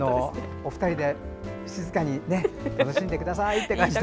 お二人で静かに楽しんでくださいって感じで。